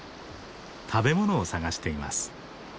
食べ物を探しています。